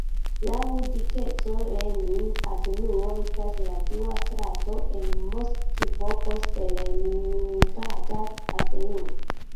Laŭ dikeco Lenin-avenuo estas la dua strato en Moskvo post Leningrada avenuo.